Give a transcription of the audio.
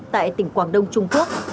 tại tỉnh quảng đông trung quốc